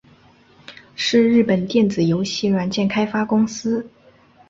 是日本电子游戏软体开发公司。